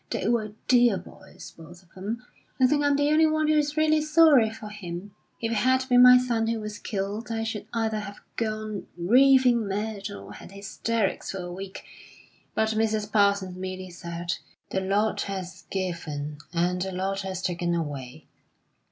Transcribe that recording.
They were dear boys, both of them. I think I am the only one who is really sorry for him. If it had been my son who was killed I should either have gone raving mad or had hysterics for a week; but Mrs. Parsons merely said: 'The Lord has given, and the Lord has taken away.